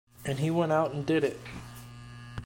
And he went out and did it.